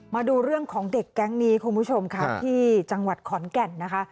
มาดูเรื่องของเด็กแก๊งนี้คุณผู้ชมค่ะที่จังหวัดขอนแก่นนะคะ